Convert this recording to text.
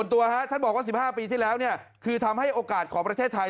ตัวท่านบอกว่า๑๕ปีที่แล้วคือทำให้โอกาสของประเทศไทย